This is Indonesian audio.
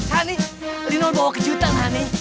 hani lino bawa kejutan hane